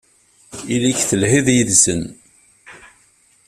Ili-k telhid yid-sen.